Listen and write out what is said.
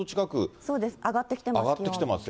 上がってきてます。